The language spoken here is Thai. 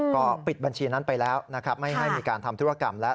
ก็ปิดบัญชีนั้นไปแล้วนะครับไม่ให้มีการทำธุรกรรมแล้ว